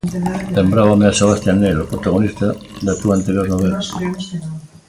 Lembrábame a Sebastian Nell, o protagonista da túa anterior novela.